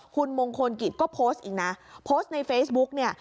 คุณมงคลกิจก็โพสต์อีกนะโพสต์ในเฟซบุ๊กเนี่ย